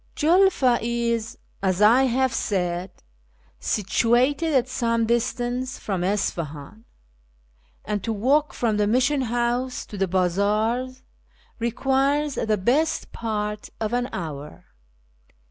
JuLFA is, as I have said, situated at some distance from Isfahan, and to walk from the Mission House to the bazaars requires the best part of an hour.